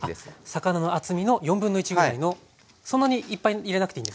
魚の厚みの1/4ぐらいのそんなにいっぱい入れなくていいんですね。